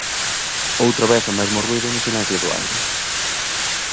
Outra vez o mesmo ruído no silencio do aire!